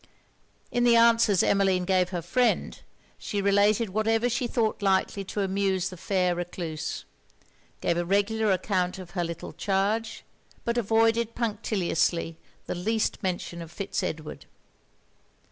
In the answers Emmeline gave her friend, she related whatever she thought likely to amuse the fair recluse; gave a regular account of her little charge; but avoided punctiliously the least mention of Fitz Edward.